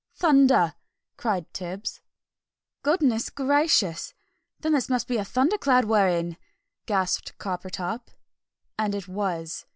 "Thunder!" cried Tibbs. "Goodness gracious! Then this must be a thundercloud we're in!" gasped Coppertop. And it was.